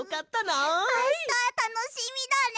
あしたたのしみだね！